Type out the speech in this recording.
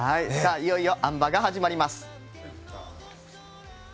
いよいよあん馬が始まります。